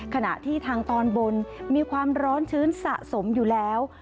ขณะที่ทางตอนบนมีความร้อนชื้นสะสมอยู่แล้ว